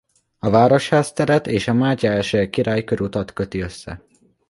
A Városház teret és a Mátyás király körutat köti össze.